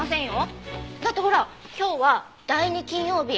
だってほら今日は第２金曜日。